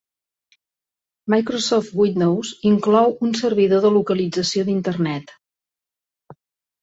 Microsoft Windows inclou un servidor de localització d'Internet.